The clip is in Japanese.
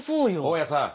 大家さん。